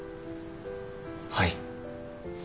はい。